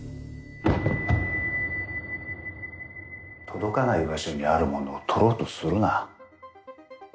届かない場所にあるものを取ろうとするな。